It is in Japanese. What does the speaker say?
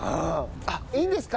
いいんですか？